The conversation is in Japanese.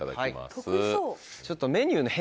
得意そう。